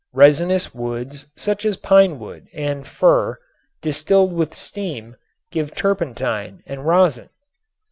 Resinous woods such as pine and fir distilled with steam give turpentine and rosin.